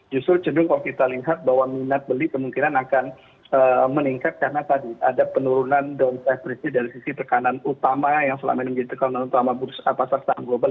justru cenderung kalau kita lihat bahwa minat beli kemungkinan akan meningkat karena tadi ada penurunan down every dari sisi tekanan utama yang selama ini menjadi tekanan utama pasar saham global